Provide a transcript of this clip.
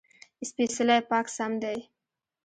سپېڅلی: پاک سم دی.